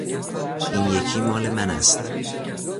این یکی مال من است.